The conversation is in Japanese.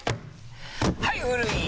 はい古い！